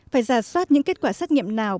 phải giả soát những kết quả xét nghiệm nào